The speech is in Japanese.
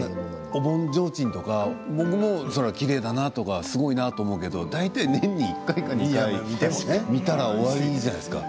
お盆ちょうちんとか僕もきれいだなとかすごいなとか思うけど、大体年に、１回か２回、見たら終わりじゃないですか。